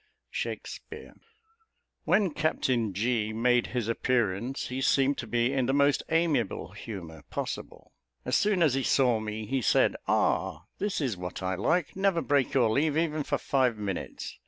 SHAKSPEARE. When Captain G made his appearance, he seemed to be in the most amiable humour possible. As soon as he saw me, he said, "Ah, this is what I like; never break your leave even for five minutes.